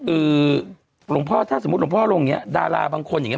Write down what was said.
หลวงพ่อถ้าสมมุติหลวงพ่อลงอย่างเงี้ดาราบางคนอย่างเง